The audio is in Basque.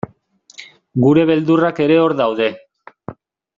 Gure beldurrak ere hor daude.